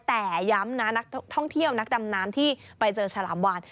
แต่ย้ำนะนักท่องเที่ยวนักดำน้ำที่ไปเจอฉลามวาน